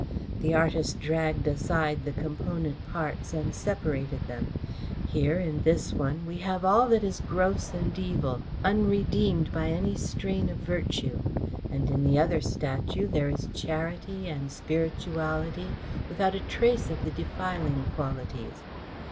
The artist dragged aside the component parts and separated them. Here in this one we have all that is gross and evil, unredeemed by any strain of virtue, and in the other statue there is charity and spirituality without a trace of the defiling qualities.